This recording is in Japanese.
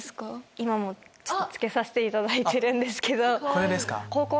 今もちょっと着けさせていただいてるんですけど。